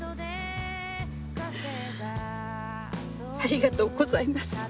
ありがとうございます。